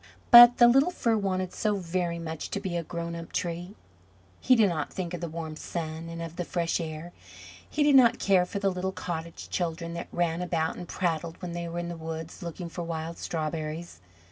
But the little Fir wanted so very much to be a grown up tree. He did not think of the warm sun and of the fresh air; he did not care for the little cottage children that ran about and prattled when they were in the woods looking for wild strawberries.